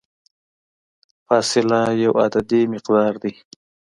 فاصله یو عددي مقدار دی.